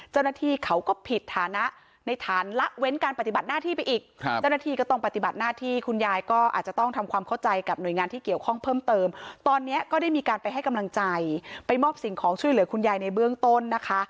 จะต้องทำความเข้าใจกับหน่วยงานที่เกี่ยวข้องเพิ่มเติมตอนเนี้ยก็ได้มีการไปให้กำลังใจไปมอบสิ่งของช่วยเหลือคุณยายในเบื้องต้นนะคะ